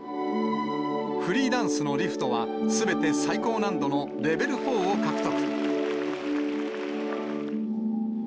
フリーダンスのリフトは、すべて最高難度のレベル４を獲得。